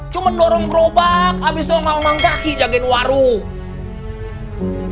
cuma dorong gerobak abis itu yang nanggung kaki jagain warung